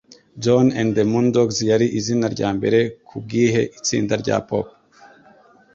Johnny & The Moondogs Yari Izina Ryambere Kubwihe Itsinda rya Pop?